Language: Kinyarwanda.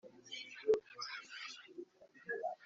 Wigeze ubwira kazitunga igihe ibirori bitangiye